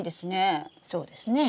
そうですね。